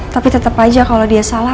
tapi tetep aja kalo dia salah